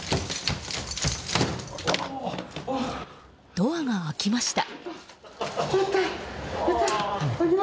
ドアが開きました。